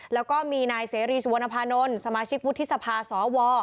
แล้วก็มีนายเสรีสวรรพานนสภสว